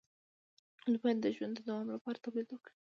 دوی باید د ژوند د دوام لپاره تولید وکړي.